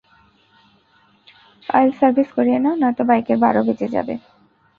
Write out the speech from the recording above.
Oil service করিয়ে নাও, নয়তো বাইকের বারো বেজে যাবে।